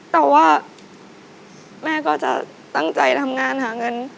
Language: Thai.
แต่ว่าแม่ก็จะตั้งใจทำงานหาเงิน